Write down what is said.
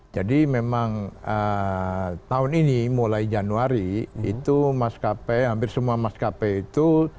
jadi memang tahun ini mulai januari itu maskapai hampir semua maskapai itu